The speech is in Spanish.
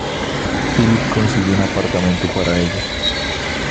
Philip consigue un apartamento para ella.